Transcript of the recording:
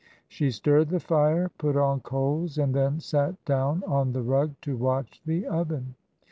She stirred the fire, put on coals, and then sat down on the rug to watch the oven.